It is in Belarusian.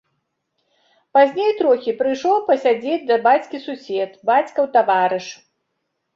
Пазней трохі прыйшоў пасядзець да бацькі сусед, бацькаў таварыш.